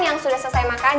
yang sudah selesai makan